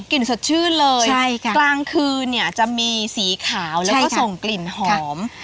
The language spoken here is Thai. กลิ่นสดชื่นเลยกลางคืนเนี่ยจะมีสีขาวแล้วก็ส่งกลิ่นหอม